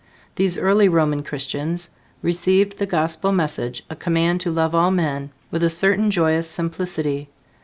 These early Roman Christians received the Gospel message, a command to love all men, with a certain joyous simplicity.